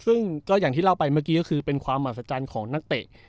ซึ่งก็อย่างที่เล่าไปเมื่อกี้ก็คือเป็นความมหัศจรรย์ของนักเตะ